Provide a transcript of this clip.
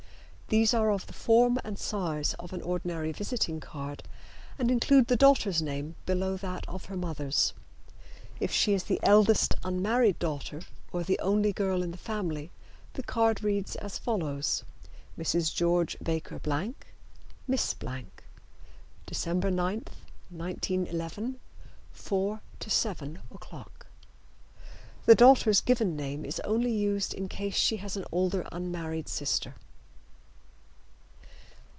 These are of the form and size of an ordinary visiting card and include the daughter's name below that of her mother's. If she is the eldest unmarried daughter or the only girl in the family the card reads as follows: Mrs. Geo. Baker Blank Miss Blank December 9, 1911 4 to 7 o'clock The daughter's given name is only used in case she has an older unmarried sister.